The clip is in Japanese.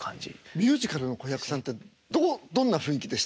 ミュージカルの子役さんってどんな雰囲気でした？